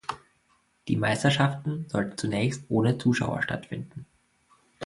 Die Meisterschaften sollten zunächst ohne Zuschauer stattfinden.